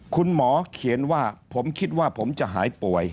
คุณหมอเขียนว่าผมคิดว่าผมจะหายป่วย